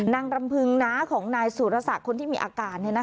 นางรำพึงน้าของนายสุรษะคนที่มีอาการนะครับ